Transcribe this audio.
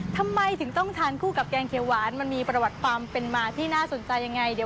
ตื่นต้อนกำเนิดอยู่ที่อำเพลิง